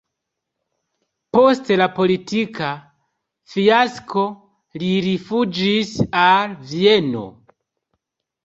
Post la politika fiasko li rifuĝis al Vieno.